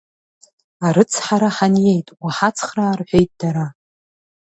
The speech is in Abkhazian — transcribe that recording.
Арыцҳара ҳаниеит, уҳацхраа, — рҳәеит дара.